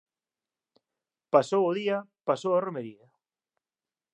Pasou o día, pasou o romaría